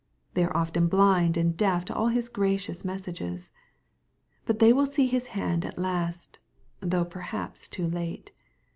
They are often blind and deaf to all His gracious messages. But they will see His hand at last, though perhaps too late.